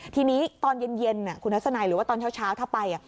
ทีนี้ตอนเย็นคุณทัศนัยหรือว่าตอนเช้าถ้าไป